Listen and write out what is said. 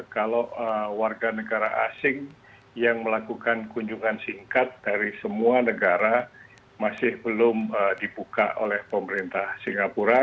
kalau warga negara asing yang melakukan kunjungan singkat dari semua negara masih belum dibuka oleh pemerintah singapura